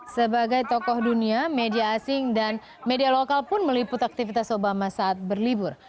sebagai tokoh dunia media asing dan media lokal pun meliput aktivitas obama saat berlibur